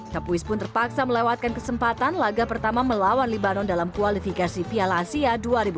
kapuis pun terpaksa melewatkan kesempatan laga pertama melawan libanon dalam kualifikasi piala asia dua ribu dua puluh